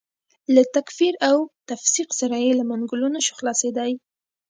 له تکفیر او تفسیق سره یې له منګولو نه شو خلاصېدای.